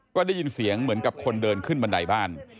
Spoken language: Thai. ก็ได้ยินเสียงเหมือนกับคนเดินขึ้นบันไดบ้าน